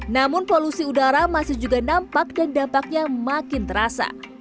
namun polusi udara masih juga nampak dan dampaknya makin terasa